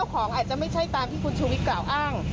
ของอาจจะไม่ใช่ตามที่คุณชูวิทย์กล่าวอ้าง